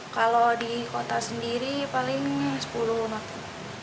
kalau di kota sendiri paling sepuluh waktu